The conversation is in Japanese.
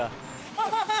アハハハ！